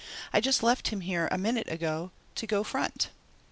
"I just left him here a minute ago to go front."